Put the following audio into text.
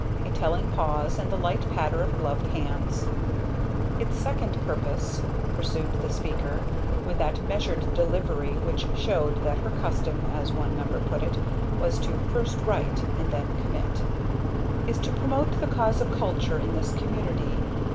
A telling pause, and the light patter of gloved hands. "Its second purpose," pursued the speaker, with that measured delivery which showed that her custom, as one member put it, was to "first write and then commit," "is to promote the cause of Culture in this community.